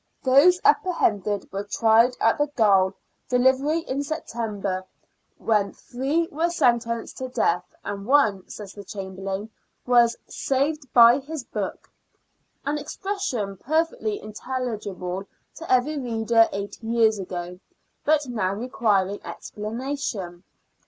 Those apprehended were tried at the gaol delivery in September, when three were sentenced to death, and one, says the Chamberlain, was " saved by his book "— an expression perfectly intelligible to every reader eighty years ago, but now requiring explanation.